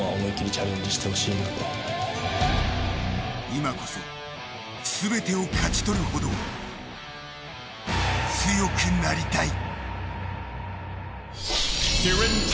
今こそ全てを勝ち取るほど強くなりたい。